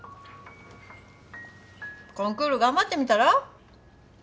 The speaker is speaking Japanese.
コンクール頑張ってみたら？